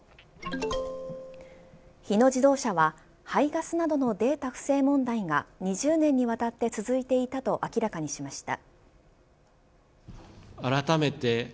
日野自動車は、排ガスなどのデータ不正問題が２０年にわたって続いていたと明らかにしました。